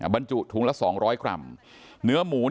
บรรจุถุงละ๒๐๐กรัม